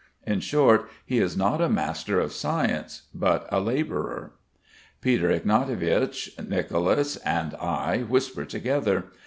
In short, he is not a master of science but a labourer. Peter Ignatievich, Nicolas, and I whisper together.